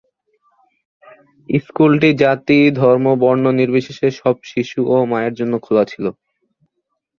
স্কুলটি জাতি ধর্ম বর্ণ নির্বিশেষে সব শিশু ও মায়ের জন্য খোলা ছিল।